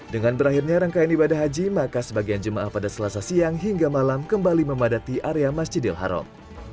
dengan berakhirnya rangkaian ibadah haji maka sebagian jemaah pada selasa siang hingga malam kembali memadati area masjidil haram